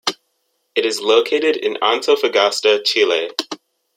It is located in Antofagasta, Chile.